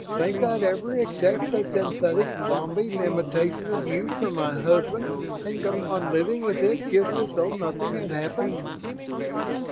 Think I'd ever accept a synthetic zombie imitation of you for my husband and go on living with it just as though nothing had happened?"